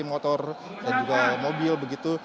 motor dan juga mobil begitu